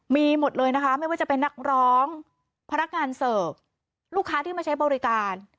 มีหมดเลยนะคะไม่ว่าจะเป็นนักร้องพนักงานเสิร์ฟลูกค้าที่มาใช้บริการ